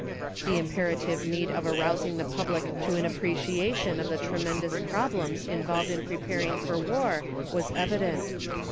The imperative need of arousing the public to an appreciation of the tremendous problems involved in preparing for war was evident.